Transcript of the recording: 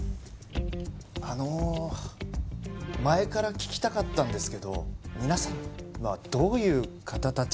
あの前から聞きたかったんですけど皆さんはどういう方たちなんですか？